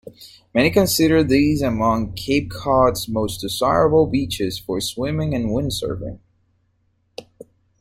Many consider these among Cape Cod's most desirable beaches for swimming and windsurfing.